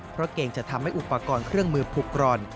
เพราะเกรงจะทำให้อุปกรณ์เครื่องมือผูกกร่อน